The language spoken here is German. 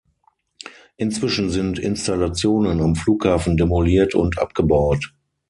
Inzwischen sind die Installationen am Flughafen demoliert und abgebaut.